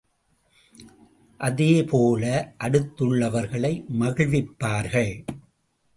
அதே போல அடுத்துள்ளவர்களை மகிழ்விப்பார்கள்.